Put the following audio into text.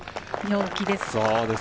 陽気です。